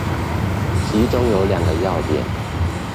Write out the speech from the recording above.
其中有兩個要點